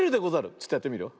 ちょっとやってみるよ。